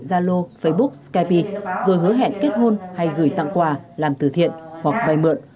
gia lô facebook skype rồi hứa hẹn kết hôn hay gửi tặng quà làm từ thiện hoặc vai mượn